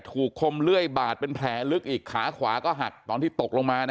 คมเลื่อยบาดเป็นแผลลึกอีกขาขวาก็หักตอนที่ตกลงมานะ